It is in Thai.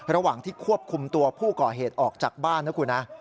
ระหว่างที่ควบคุมตัวผู้ก่อเหตุออกจากบ้านนะคุณนะ